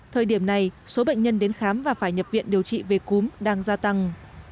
thời điểm này số bệnh nhân đến khám và phải nhập viện điều trị về cúm đang gia tăng